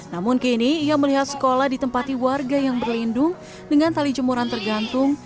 namun kini ia melihat sekolah ditempati warga yang berlindung dengan tali jemuran tergantung